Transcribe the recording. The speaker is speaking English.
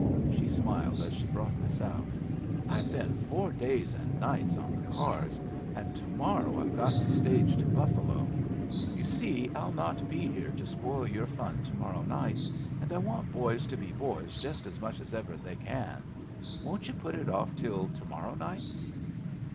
She smiled as she brought this out. "I've been four days and nights on the cars, and to morrow I've got to stage to Buffalo. You see I'll not be here to spoil your fun to morrow night, and I want boys to be boys just as much as ever they can. Won't you put it off till to morrow night?"